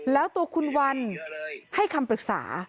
แล้วตัวคุณวันให้คำปรึกษา